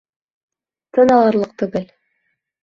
Тын алырлыҡ түгел.